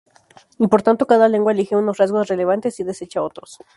Y por tanto cada lengua elige unos rasgos relevantes y desecha otros.